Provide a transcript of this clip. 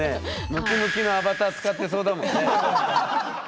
ムキムキのアバター使ってそうだもんね。